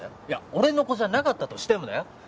いや俺の子じゃなかったとしてもだよ